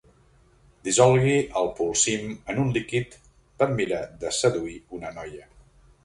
Dissolgui el polsim en un líquid per mirar de seduir una noia.